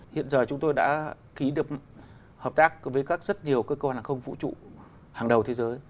hiện giờ chúng tôi đã ký được hợp tác với các rất nhiều cơ quan hàng không vũ trụ hàng đầu thế giới